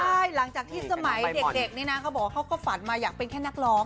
ใช่หลังจากที่สมัยเด็กนี่นะเขาบอกว่าเขาก็ฝันมาอยากเป็นแค่นักร้อง